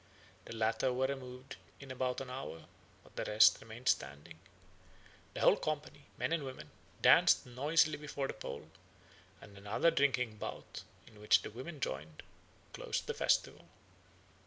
The latter were removed in about an hour, but the rest remained standing. The whole company, men and women, danced noisily before the pole; and another drinking bout, in which the women joined, closed the festival.